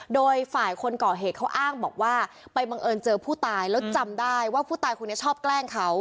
โดยฝ่ายคนก่อเหตุเขาอ้างบอกว่าไปบังเอิญเจอผู้ตายแล้วจำได้ว่าผู้ตายคนนี้ชอบแกล้งเขา